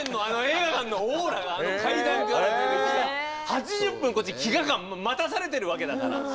８０分こっち気が待たされてるわけだから。